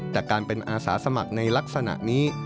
แต่การเป็นอาสาสมัครในลักษณะนี้